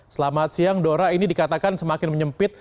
selamat siang dora ini dikatakan semakin menyempit